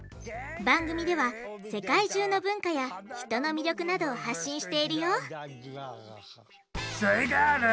番組では世界中の文化や人の魅力などを発信しているよすイガール